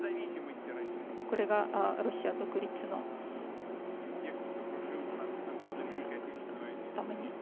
これがロシア独立のために。